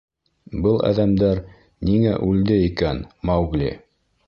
— Был әҙәмдәр ниңә үлде икән, Маугли?